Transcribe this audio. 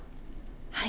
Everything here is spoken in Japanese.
はい。